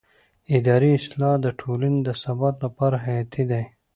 اداري اصلاح د ټولنې د ثبات لپاره حیاتي دی